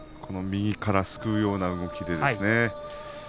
右からすくうような動きですね。